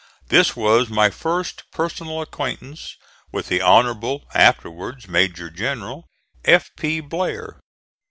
This was my first personal acquaintance with the Honorable afterwards Major General F. P. Blair.